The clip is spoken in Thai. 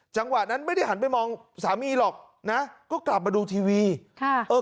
จังหวะนั้นไม่ได้หันไปมองสามีหรอกนะก็กลับมาดูทีวีค่ะเออ